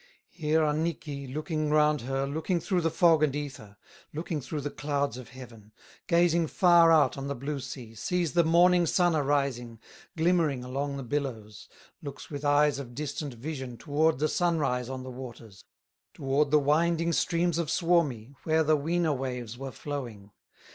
Here Annikki, looking round her, Looking through the fog and ether, Looking through the clouds of heaven, Gazing far out on the blue sea, Sees the morning sun arising, Glimmering along the billows, Looks with eyes of distant vision Toward the sunrise on the waters, Toward the winding streams of Suomi, Where the Wina waves were flowing.